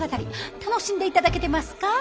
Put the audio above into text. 楽しんで頂けてますか？